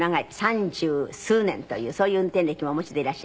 三十数年というそういう運転歴もお持ちでいらっしゃいます。